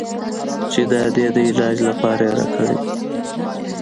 چې د ادې د علاج لپاره يې راکړى و.